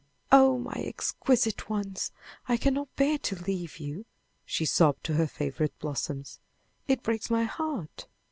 "Oh, my exquisite ones, I cannot bear to leave you!" she sobbed to her favorite blossoms. "It breaks my heart!"